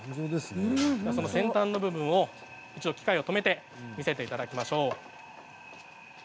先端の部分を機械を止めて見せていただきましょう。